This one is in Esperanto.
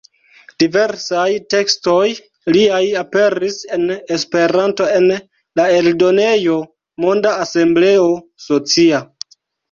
Diversaj tekstoj liaj aperis en Esperanto en la eldonejo Monda Asembleo Socia.